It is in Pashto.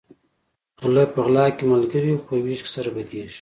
غلۀ په غلا کې ملګري وي خو په وېش کې سره بدیږي